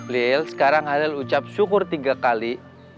liel sekarang halil ucap syukur tiga kali